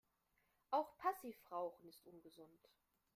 Auch Passivrauchen ist ungesund.